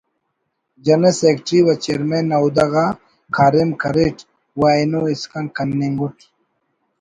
general secretary و چیئرمین نا عہدہ غا کاریم کریٹ و اینو اسکان کننگ اُٹ